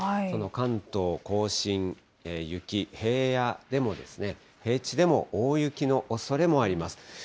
この関東甲信、雪、平野でも、平地でも大雪のおそれもあります。